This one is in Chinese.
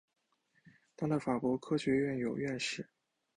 当代的法国科学院有院士。